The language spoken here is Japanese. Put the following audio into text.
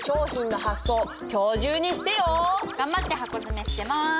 頑張って箱詰めしてます。